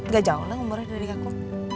gak jauh lah umurnya dari aku